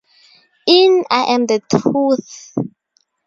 In I am the Truth.